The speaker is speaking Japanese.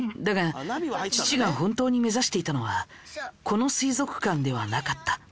だが父が本当に目指していたのはこの水族館ではなかった。